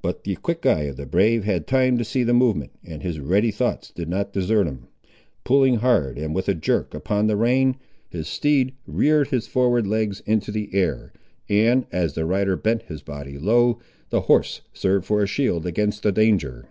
But the quick eye of the brave had time to see the movement, and his ready thoughts did not desert him. Pulling hard and with a jerk upon the rein, his steed reared his forward legs into the air, and, as the rider bent his body low, the horse served for a shield against the danger.